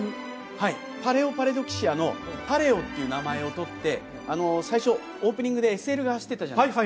はいパレオパラドキシアのパレオっていう名前をとって最初オープニングでＳＬが走ってたじゃないですか